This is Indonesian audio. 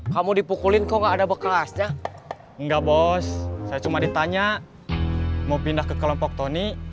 kamu dipukulin kok nggak ada bekasnya nggak bos saya cuma ditanya mau pindah ke kelompok tony